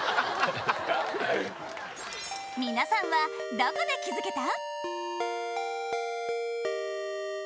皆さんはどこで気づけた？